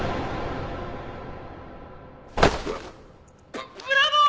ブブラボー！